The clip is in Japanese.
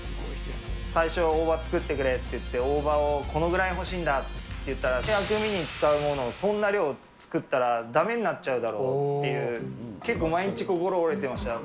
最初は大葉作ってくれって言って、大葉をこのぐらい欲しいんだって言ったら、薬味に使うものをそんな量作ったら、だめになっちゃうだろうっていう、結構毎日、心折れてましたよ。